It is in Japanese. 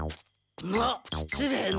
まあ失礼な！